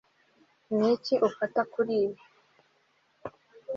Niki ufata kuri ibi